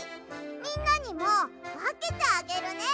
みんなにもわけてあげるね。